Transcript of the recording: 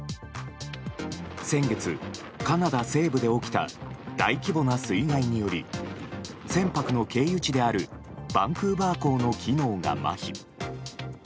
先月、カナダ西部で起きた大規模な水害により船舶の経由地であるバンクーバー港の機能がまひ。